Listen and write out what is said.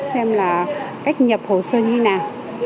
xem là cách nhập hồ sơ như thế nào